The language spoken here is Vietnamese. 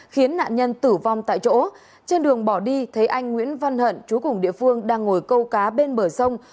khiến nạn nhân tử vong tại chỗ trên đường bỏ đi thấy anh nguyễn văn hận chú cùng địa phương đang ngồi câu cá bên bờ sông